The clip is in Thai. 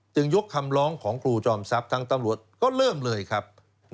ยกคำร้องของครูจอมทรัพย์ทางตำรวจก็เริ่มเลยครับ